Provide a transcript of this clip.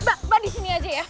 mbak disini aja ya